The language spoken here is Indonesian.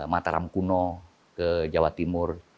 mataram kuno ke jawa timur